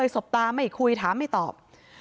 สบตาไม่คุยถามไม่ตอบ